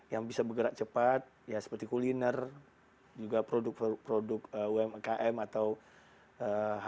yang bisa bergerak cepat ya seperti kuliner juga produk produk umkm atau hal hal yang bisa dibeli